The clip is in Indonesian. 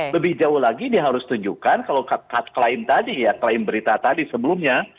lebih jauh lagi dia harus tunjukkan kalau klaim tadi ya klaim berita tadi sebelumnya